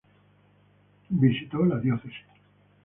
Visitó la diócesis.